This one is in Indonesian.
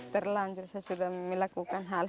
terlanjur saya sudah melakukan hal